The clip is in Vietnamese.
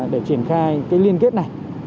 để triển khai cái liên kết này